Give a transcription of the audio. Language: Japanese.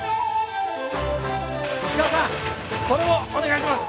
石川さんこれもお願いします。